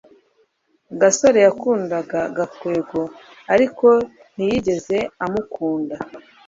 gasore yakundaga gakwego, ariko ntiyigeze amukunda